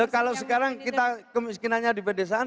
kalau sekarang kita kemiskinannya di pedesaan